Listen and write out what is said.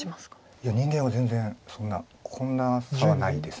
いや人間は全然そんなこんな差はないです。